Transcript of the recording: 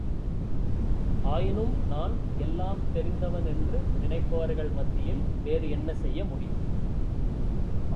ஆயினும் நான் எல்லாம் தெரிந்தவன் என்று நினைப்பவர்கள் மத்தியில் வேறு என்ன செய்ய முடியும்?